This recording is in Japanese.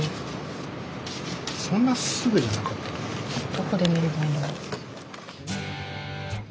どこで見ればいいんだろう？